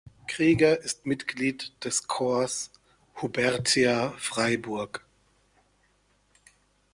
Krieger ist Mitglied des Corps Hubertia Freiburg.